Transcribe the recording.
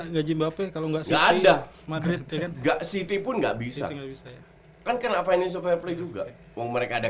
ngapain kalau nggak ada madrid tidak siti pun nggak bisa kan kena penyusupan juga mau mereka ada